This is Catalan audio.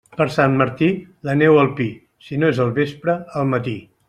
Per Sant Martí, la neu al pi; si no és al vespre, al matí.